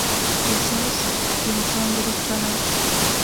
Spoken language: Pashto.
احساس د انسان د روح رڼا ده.